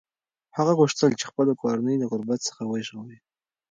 هغه غوښتل چې خپله کورنۍ له غربت څخه وژغوري.